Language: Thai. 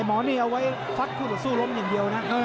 หมอนี่เอาไว้ฟัดคู่ต่อสู้ล้มอย่างเดียวนะ